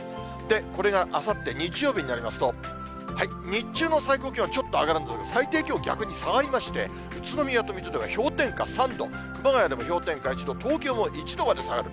これがあさって日曜日になりますと、日中の最高気温はちょっと上がるので、最低気温、逆に下がりまして、宇都宮と水戸では氷点下３度、熊谷でも氷点下１度、東京も１度まで下がる。